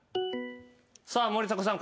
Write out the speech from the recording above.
さあ森迫さん